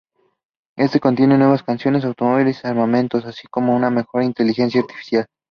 Este contiene nuevas canciones, automóviles y armamentos, así como una mejorada inteligencia artificial.